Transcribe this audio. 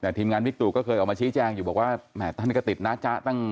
แต่ทีมงานวิกตุก็เคยออกมาชี้แจงอยู่บอกว่าแหมท่านก็ติดนะจ๊ะตั้ง